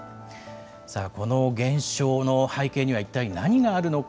さあこの現象の背景には一体何があるのか。